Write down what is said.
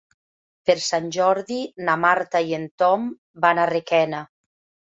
Per Sant Jordi na Marta i en Tom van a Requena.